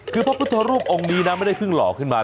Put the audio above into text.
คือพระพุทธรูปองค์นี้นะไม่ได้เพิ่งหล่อขึ้นมา